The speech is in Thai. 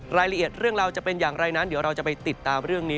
รายละเอียดเรื่องราวจะเป็นอย่างไรนั้นเดี๋ยวเราจะไปติดตามเรื่องนี้